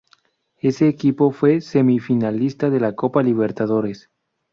Ese equipo fue semifinalista de la Copa Libertadores.